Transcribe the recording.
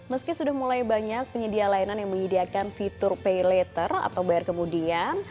meski sudah mulai banyak penyedia layanan yang menyediakan fitur pay later atau bayar kemudian